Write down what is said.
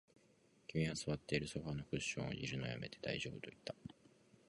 君は座っているソファーのクッションを弄るのを止めて、大丈夫と言った